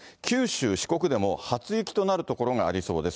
九州、四国でも初雪となる所がありそうです。